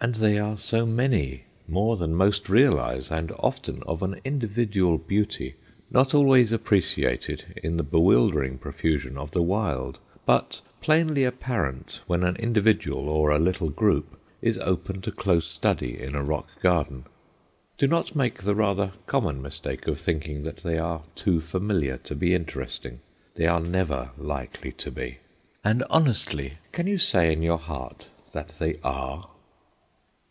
And they are so many; more than most realize, and often of an individual beauty not always appreciated in the bewildering profusion of the wild but plainly apparent when an individual, or a little group, is open to close study in a rock garden. Do not make the rather common mistake of thinking that they are too familiar to be interesting; they are never likely to be. And, honestly, can you say in your heart that they are?